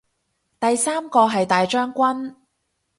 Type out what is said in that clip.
第三個係大將軍